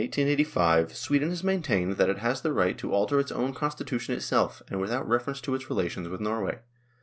THE CONDUCT OF FOREIGN AFFAIRS 55 that it has the right to alter its own constitution itself, and without reference to its relations with Norway.